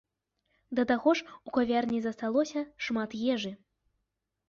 Да таго ж у кавярні засталося шмат ежы.